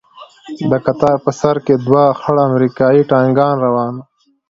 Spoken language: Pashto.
د کتار په سر کښې دوه خړ امريکايي ټانکان روان وو.